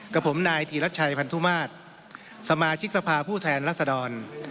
กับผมนายธีรัชชัยพันธุมาตรสมาชิกสภาผู้แทนรัศดร